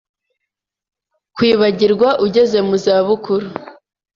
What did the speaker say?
kwibagirwa ugeze mu izabukuru